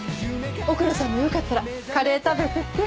奥野さんもよかったらカレー食べていって。